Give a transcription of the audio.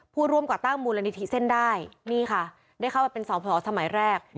ผู้ร่วมก่อตั้งมูลนิธิเส้นได้นี่ค่ะได้เข้าไปเป็นสอบพอสมัยแรก